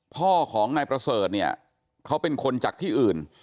พ่อของนายประเสริฐเนี่ยเขาเป็นคนจากที่อื่น